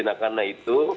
nah karena itu